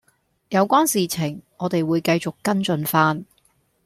有關事情我哋會繼續跟進番